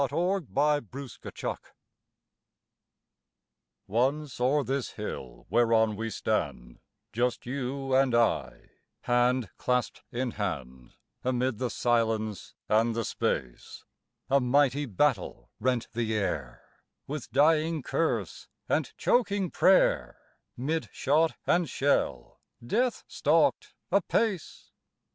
ON A BATTLE FIELD Once o'er this hill whereon we stand, Just you and I, hand clasp'd in hand Amid the silence, and the space, A mighty battle rent the air, With dying curse and choking prayer; 'Mid shot and shell death stalked apace.